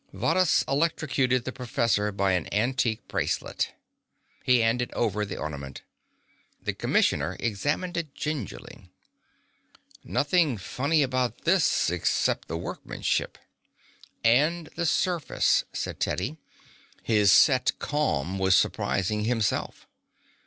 "Varrhus electrocuted the professor by an antique bracelet." He handed over the ornament. The commissioner examined it gingerly. "Nothing funny about this except the workmanship." "And the surface," said Teddy. His set calm was surprising himself.